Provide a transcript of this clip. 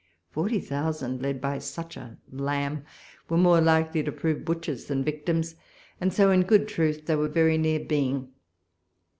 Forty thousand, led by such a walpole's letters. j79 lamb, were more likely to prove butchers than victims ; and so, in good truth, they were very near being.